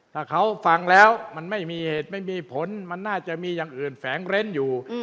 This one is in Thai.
ถ้าเขาฟังแล้วมันไม่มีเหตุไม่มีผลมันน่าจะมีอย่างอื่นแฝงเร้นอยู่